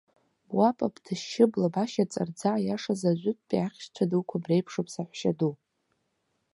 Буапа бҭашьшьы, блабашьа ҵарӡа, аиашазы, ажәытәтәи ахьшьцәа дуқәа бреиԥшуп, саҳәшьаду.